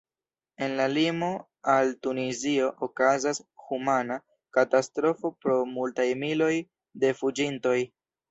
En la limo al Tunizio okazas humana katastrofo pro multaj miloj de fuĝintoj.